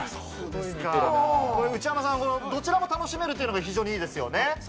内山さん、どちらも楽しめるというのが非常に良いですよね。